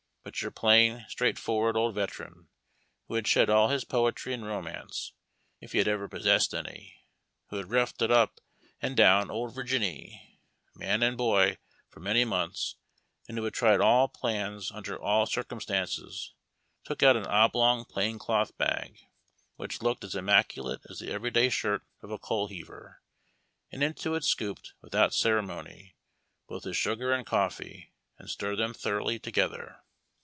But your plain, straightforward old veteran, who had shed all his poetry and romance, if he had ever possessed any, who had roughed it up and down " Old Virginny," man and boy, for many months, and who had tried all plans under all circumstances, took out an oblong plain cloth bag, which looked as inunaculate as the everv day shirt of a coal heaver, and into it scooped with out ceremony both his sugar and coffee, and stirred them thoroughly together.